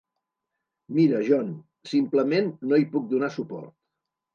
Mira, John, simplement no hi puc donar suport.